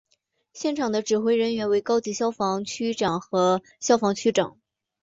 现场的指挥人员为高级消防区长和消防区长。